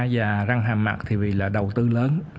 và răng hàm mặt thì vì là đầu tư lớn